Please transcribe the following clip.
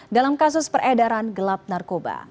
dalam kasus peredaran gelap narkoba